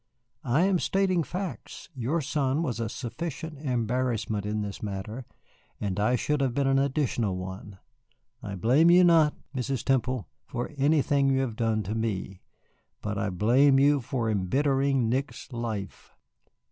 "I am stating facts. Your son was a sufficient embarrassment in this matter, and I should have been an additional one. I blame you not, Mrs. Temple, for anything you have done to me, but I blame you for embittering Nick's life."